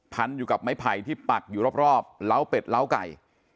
พันอยู่กับไม้ไผ่ที่ปักอยู่รอบเล้าเป็ดล้าไก่